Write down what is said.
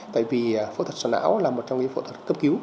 tại vì phẫu thuật sầ não là một trong những phẫu thuật cấp cứu